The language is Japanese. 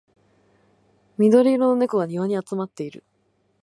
緑色の猫が庭に集まっている